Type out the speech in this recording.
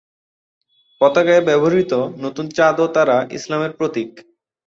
পতাকায় ব্যবহৃত নতুন চাঁদ ও তারা ইসলামের প্রতীক।